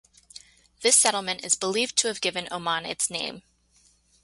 This settlement is believed to have given Oman its name.